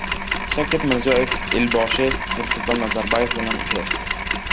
Shavkat Mirziyoyev Elboshi Nursulton Nazarboyev bilan uchrashdi